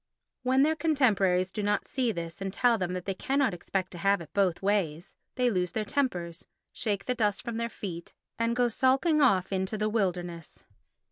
When their contemporaries do not see this and tell them that they cannot expect to have it both ways, they lose their tempers, shake the dust from their feet and go sulking off into the wilderness.